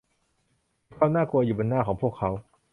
มีความน่ากลัวอยู่บนหน้าของพวกเขา